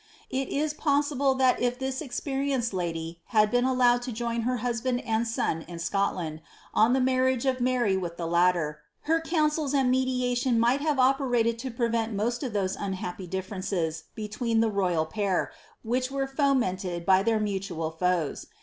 * It is possible that if this expe rienced lady had been allowed to join her husband and son in Scotland^ AD the marriage of Mary with the latter, her councils and niediation might have operated to prevent most of those unhappy difTurences be tween the royal pair, which were fomented by their mutual foes.